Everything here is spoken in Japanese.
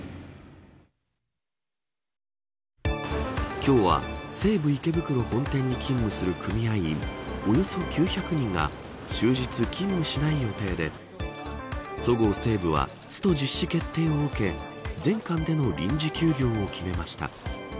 今日は、西武池袋本店に勤務する組合員およそ９００人が終日勤務しない予定でそごう・西武はスト実施決定を受け全館での臨時休業を決めました。